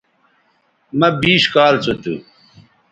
مہ بیش کال سو تھو